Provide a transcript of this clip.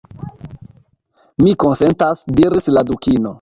« Mi konsentas," diris la Dukino.